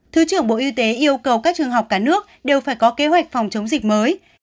thứ trưởng bộ y tế yêu cầu các trường học cả nước đều phải có kế hoạch phòng chống dịch mới